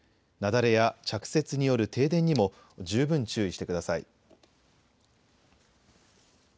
雪崩や着雪による停電にも十分注意してください。